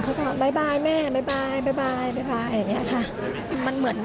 เขาก็บอกบ๊ายบายแม่บ๊ายบายบ๊ายบายบ๊ายบายแบบนี้ค่ะ